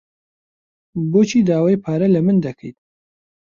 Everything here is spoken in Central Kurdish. بۆچی داوای پارە لە من دەکەیت؟